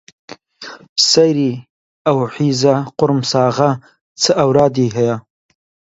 سەیری ئەو حیزە قوڕمساغە چ ئەورادی هەیە